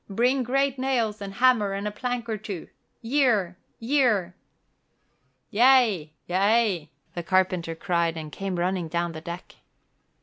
Bring great nails and hammer and a plank or two. Yare, yare!" "Yea, yea," the carpenter cried, and came running down the deck.